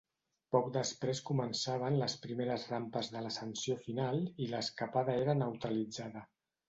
Poc després començaven les primeres rampes de l'ascensió final i l'escapada era neutralitzada.